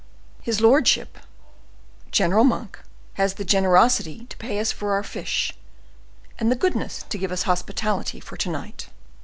His lordship, General Monk, has the generosity to pay us for our fish, and the goodness to give us hospitality for to night."